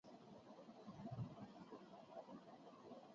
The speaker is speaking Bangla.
ঘরোয়া প্রথম-শ্রেণীর কাউন্টি ক্রিকেটে হ্যাম্পশায়ারের প্রতিনিধিত্ব করেছেন।